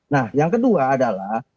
nah yang kedua adalah